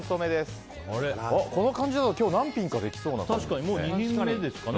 この感じだと今日は何品かできそうですね。